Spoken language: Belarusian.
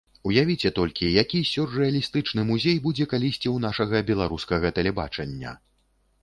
Уявіце толькі, які сюррэалістычны музей будзе калісьці ў нашага беларускага тэлебачання!